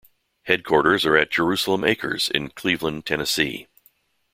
Headquarters are at "Jerusalem Acres" in Cleveland, Tennessee.